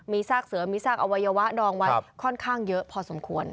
มีซากเสือมีซากอวัยวะดองไว้ค่อนข้างเยอะพอสมควร